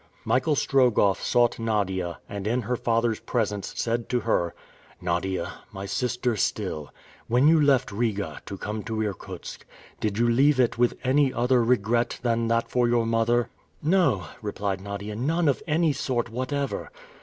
Michael Strogoff sought Nadia, and in her father's presence said to her, "Nadia, my sister still, when you left Riga to come to Irkutsk, did you leave it with any other regret than that for your mother?" "No," replied Nadia, "none of any sort whatever."